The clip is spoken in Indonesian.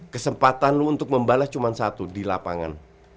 kesempatan lo untuk membalas cuma satu di lapangan